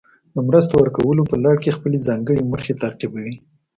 د مرستو ورکولو په لړ کې خپلې ځانګړې موخې تعقیبوي.